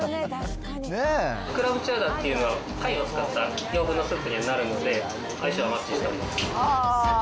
クラムチャウダーっていうのは貝を使った洋風のスープになるので、相性はばっちりだと思います。